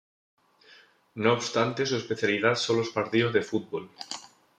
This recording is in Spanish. No obstante su especialidad son los partidos de fútbol.